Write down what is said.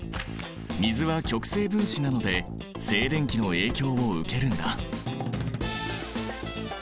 水は極性分子なので静電気の影響を受けるんだ。